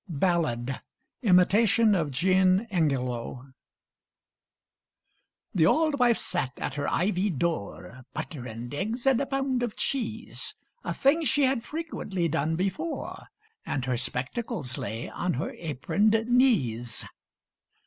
BALLAD Imitation of Jean Ingelow The auld wife sat at her ivied door, (Butter and eggs and a pound of cheese) A thing she had frequently done before; And her spectacles lay on her aproned knees.